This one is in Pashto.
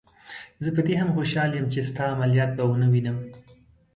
زه په دې هم خوشحاله یم چې ستا عملیات به ونه وینم.